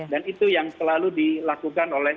dan itu yang selalu dilakukan oleh